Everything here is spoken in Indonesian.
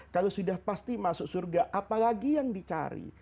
kalau sudah pasti masuk surga apalagi yang dicari